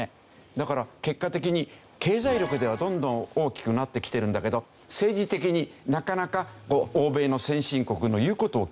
だから結果的に経済力ではどんどん大きくなってきてるんだけど政治的になかなか欧米の先進国の言う事を聞いてくれない。